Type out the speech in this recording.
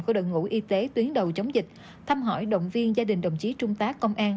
của đội ngũ y tế tuyến đầu chống dịch thăm hỏi động viên gia đình đồng chí trung tá công an